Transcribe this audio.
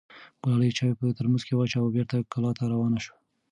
ګلالۍ چای په ترموز کې واچوه او بېرته کلا ته روانه شوه.